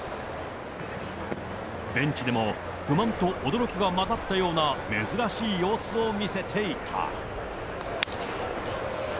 ベンチでも不満と驚きが交ざったような珍しい様子を見せていた。